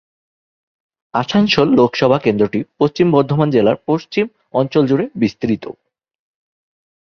আসানসোল লোকসভা কেন্দ্রটি পশ্চিম বর্ধমান জেলার পশ্চিম অংশ জুড়ে বিস্তৃত।